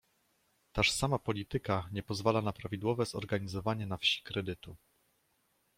"Taż sama polityka nie pozwala na prawidłowe zorganizowanie na wsi kredytu."